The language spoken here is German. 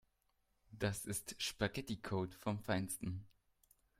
Das ist Spaghetticode vom Feinsten.